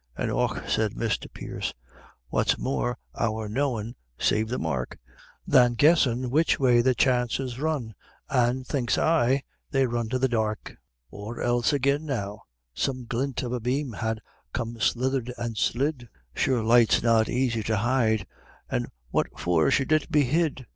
An' "Och," says Misther Pierce, "what more's our knowin' save the mark Than guessin' which way the chances run, an' thinks I they run to the dark; Or else agin now some glint of a bame'd ha' come slithered an' slid; Sure light's not aisy to hide, an' what for should it be hid?"